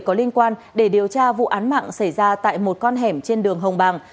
có liên quan để điều tra vụ án mạng xảy ra tại một con hẻm trên đường hồng bàng